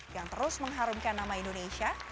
yang terus mengharumkan nama indonesia